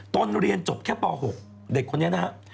ตนเรียนจบแค่ป๖เด็กคนนี้นะครับ